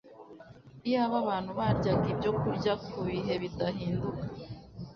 Iyaba abantu baryaga ibyokurya ku bihe bidahinduka